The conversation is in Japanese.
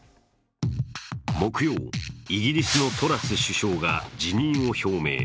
木曜、イギリスのトラス首相が辞任を表明。